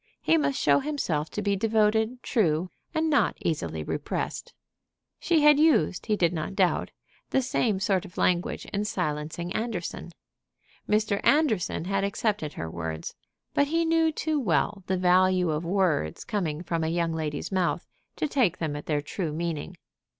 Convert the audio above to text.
He must show himself to be devoted, true, and not easily repressed. She had used, he did not doubt, the same sort of language in silencing Anderson. Mr. Anderson had accepted her words, but he knew too well the value of words coming from a young lady's mouth to take them at their true meaning.